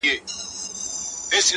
د ښكلا ميري د ښكلا پر كلي شــپه تېروم ـ